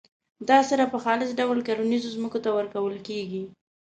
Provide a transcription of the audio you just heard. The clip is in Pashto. دا سره په خالص ډول کرنیزو ځمکو ته ورکول کیږي.